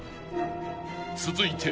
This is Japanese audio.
［続いて］